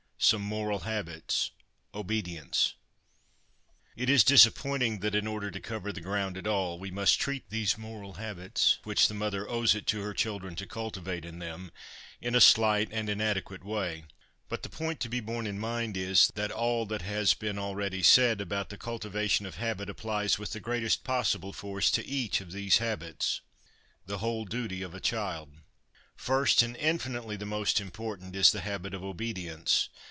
SOME MORAL HABITS OBEDIENCE It is disappointing that, in order to cover the ground at all, we must treat those moral habits, which the mother owes it to her children to cultivate in them, in a slight and inadequate way ; but the point to be borne in mind is, that all that has been already said about the cultivation of habit applies with the greatest possible force to each of these habits. SOME HABITS OF MIND SOME MORAL HABITS l6l The Whole Duty of a Child. First, and infinitely the most important, is the habit of obedience.